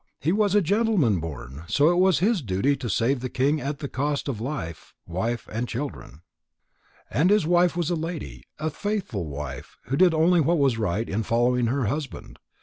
He was a gentleman born, so it was his duty to save his king at the cost of life, wife and children. And his wife was a lady, a faithful wife who only did what was right in following her husband.